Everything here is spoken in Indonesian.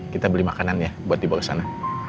kita beli makanan ya buat dibawa ke sana